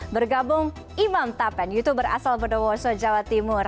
bergabung imam tapen youtuber asal bodowoso jawa timur